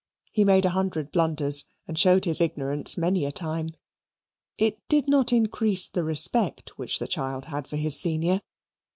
He made a hundred blunders and showed his ignorance many a time. It did not increase the respect which the child had for his senior.